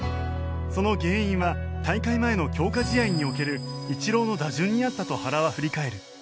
その原因は大会前の強化試合におけるイチローの打順にあったと原は振り返る。